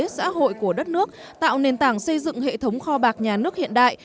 xã hội của đất nước tạo nền tảng xây dựng hệ thống kho bạc nhà nước hiện đại